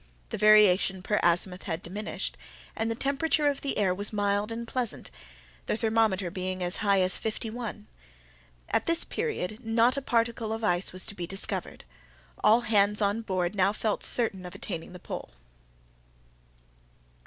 The variation per azimuth had diminished, and the temperature of the air was mild and pleasant, the thermometer being as high as fifty one. At this period not a particle of ice was to be discovered. All hands on board now felt certain of attaining the pole.